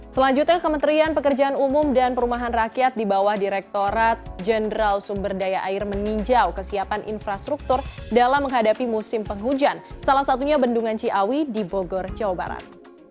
selanjutnya kementerian pekerjaan umum dan perumahan rakyat di bawah direktorat jenderal sumber daya air meninjau kesiapan infrastruktur dalam menghadapi musim penghujan salah satunya bendungan ciawi di bogor jawa barat